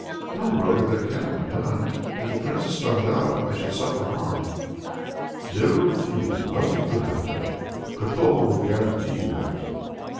"No, brother! that cannot be done. If the Princess found it out, I should suffer harm!" "Never fear, nothing will happen! Katoma will guarantee you that."